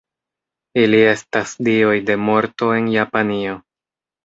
Ili estas dioj de morto en Japanio.